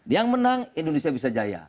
yang menang indonesia bisa jaya